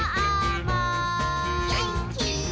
「げんきに」